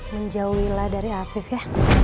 menjauhilah dari afif ya